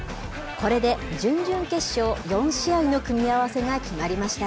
これで準々決勝４試合の組み合わせが決まりました。